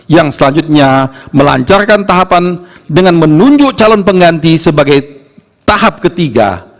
yang selanjutnya melancarkan tahapan dengan menunjuk calon pengganti sebagai tahap ketiga